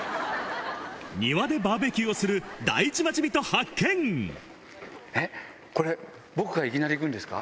庭でバーベキューをする第１えっ、これ、僕がいきなり行くんですか？